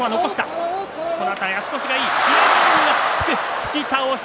突き倒し。